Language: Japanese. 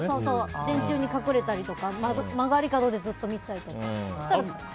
電柱に隠れたりとか曲がり角で見てたりとか。